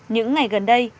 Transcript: những ngày gần đây